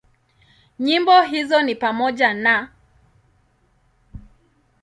Nyimbo hizo ni pamoja na;